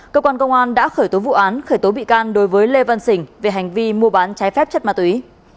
cơ quan công an đã khởi tố vụ án khởi tố bị can đối với lê văn sình về hành vi mua bán trái phép chất ma túy